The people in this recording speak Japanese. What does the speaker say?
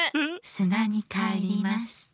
すなにかえります。